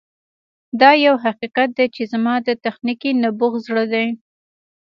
دا یو حقیقت دی چې زما د تخنیکي نبوغ زړه دی